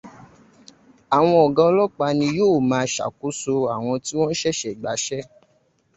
Àwọn ọ̀gá ọlọ́pàá ni yóò máa ṣàkósó àwọn tí wọ́n ṣẹ̀ṣẹ̀ gbaṣẹ́.